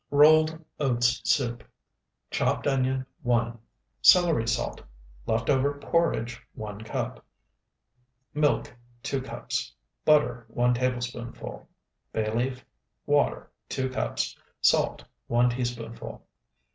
ROLLED OATS SOUP Chopped onion, 1. Celery salt. Left over porridge, 1 cup. Milk, 2 cups. Butter, 1 tablespoonful. Bay leaf. Water, 2 cups. Salt, 1 teaspoonful.